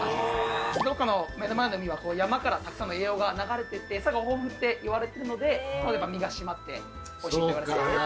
静岡の目の前の海は山からたくさんの栄養が流れててエサが豊富っていわれてるので身が締まっておいしいといわれています。